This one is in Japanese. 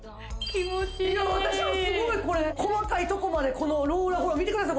私もすごいこれ細かいとこまでこのローラーほら見てください